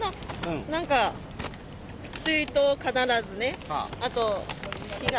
なんか水筒を必ずね、あと、日傘。